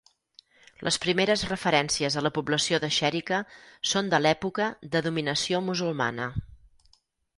Les primeres referències a la població de Xèrica, són de l'època de dominació musulmana.